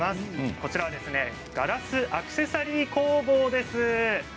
こちらはガラスアクセサリー工房です。